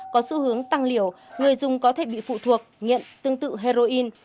có xu hướng tăng liều người dùng có thể bị phụ thuộc nhiện tương tự heroin